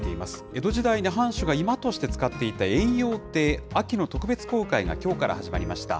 江戸時代に藩主が居間として使っていた延養亭、秋の特別公開がきょうから始まりました。